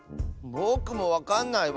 ぼくもわかんない。